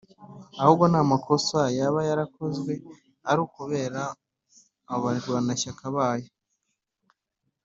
ahubwo n’amakosa yaba yarakozwe ari ukubera abarwanashyaka bayo